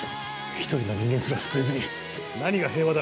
１人の人間すら救えずに何が平和だ！